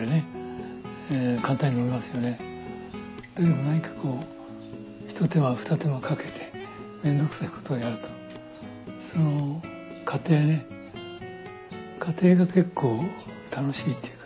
でもなにかこう一手間二手間かけて面倒くさいことをやるとその過程ね過程が結構楽しいっていうか。